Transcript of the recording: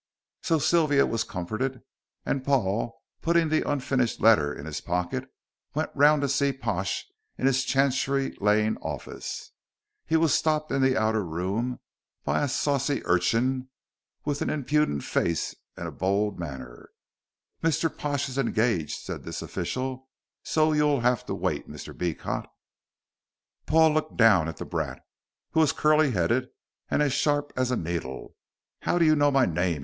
So Sylvia was comforted, and Paul, putting the unfinished letter in his pocket, went round to see Pash in his Chancery Lane office. He was stopped in the outer room by a saucy urchin with an impudent face and a bold manner. "Mr. Pash is engaged," said this official, "so you'll 'ave to wait, Mr. Beecot." Paul looked down at the brat, who was curly headed and as sharp as a needle. "How do you know my name?"